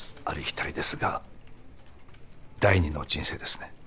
ありきたりですが第二の人生ですね。